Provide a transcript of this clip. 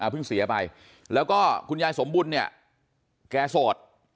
เพิ่งเสียไปแล้วก็คุณยายสมบุญเนี่ยแกโสด